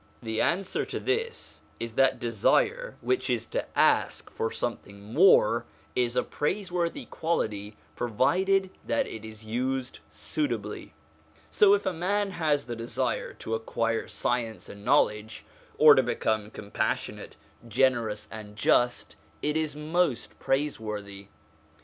The answer to this is that desire, which is to ask for something more, is a praiseworthy quality provided that it is used suitably. So, if a man has the desire to acquire science and knowledge, or to become compassionate, generous, and just, it is most praiseworthy.